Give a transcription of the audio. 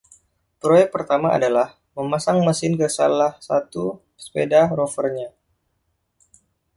Proyek pertamanya adalah memasang mesin ke salah satu sepeda Rover-nya.